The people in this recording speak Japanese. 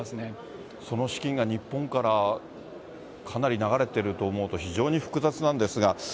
その資金が日本からかなり流れてると思うと、非常に複雑なんですが。